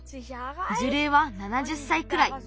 じゅれいは７０歳くらい。